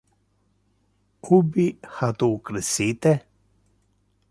Ubi ha tu crescite?